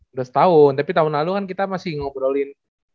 udah setahun tapi tahun lalu kan kita masih ngobrolin